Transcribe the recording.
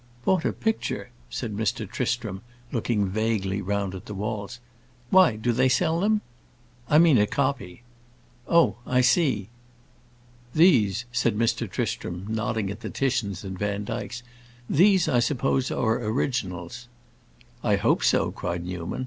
"Bought a picture?" said Mr. Tristram, looking vaguely round at the walls. "Why, do they sell them?" "I mean a copy." "Oh, I see. These," said Mr. Tristram, nodding at the Titians and Vandykes, "these, I suppose, are originals." "I hope so," cried Newman.